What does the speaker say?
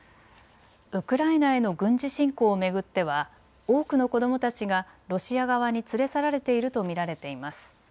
ウクライナへの軍事侵攻を巡っては多くの子どもたちがロシア側に連れ去られていると見られています。